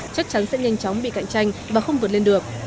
chắc chắn sẽ nhanh chóng bị cạnh tranh và không vượt lên được